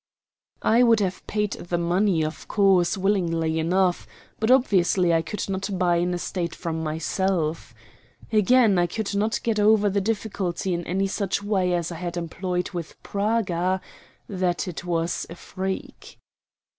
I would have paid the money, of course, willingly enough; but obviously I could not buy an estate from myself. Again, I could not get over the difficulty in any such way as I had employed with Praga that it was a freak.